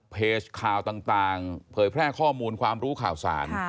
เพจข่าวต่างเผยแพร่ข้อมูลความรู้ข่าวสาร